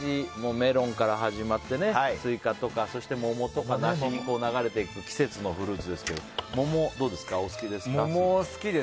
メロンから始まってスイカとかモモとか梨に流れていく季節のフルーツですが好きです。